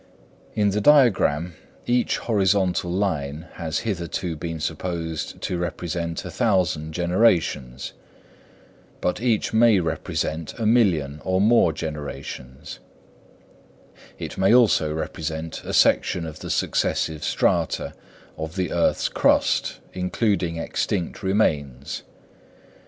In the diagram each horizontal line has hitherto been supposed to represent a thousand generations, but each may represent a million or more generations; it may also represent a section of the successive strata of the earth's crust including extinct remains.